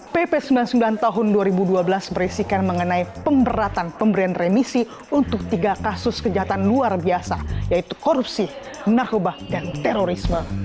pp sembilan puluh sembilan tahun dua ribu dua belas berisikan mengenai pemberatan pemberian remisi untuk tiga kasus kejahatan luar biasa yaitu korupsi narkoba dan terorisme